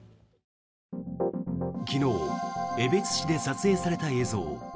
昨日、江別市で撮影された映像。